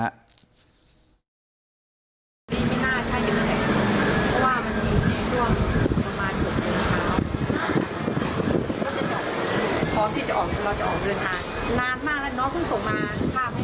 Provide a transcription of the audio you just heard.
นี่ไม่น่าใช่เป็นแสงเพราะว่ามันมีในท่วมประมาณ๖๙นาที